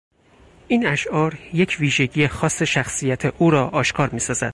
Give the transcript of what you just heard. این اشعار یک ویژگی خاص شخصیت او را آشکار میسازد.